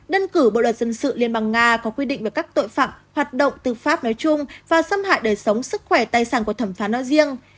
đơn cử bộ luật dân sự liên bang nga có quy định về các tội phạm hoạt động tư pháp nói chung và xâm hại đời sống sức khỏe tài sản của thẩm phán nói riêng